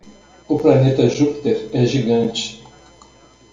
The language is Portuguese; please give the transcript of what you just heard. O planeta Júpiter é gigante.